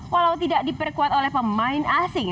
walau tidak diperkuat oleh pemain asing